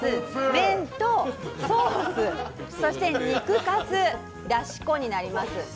麺とソース、そして肉かすだし粉になります。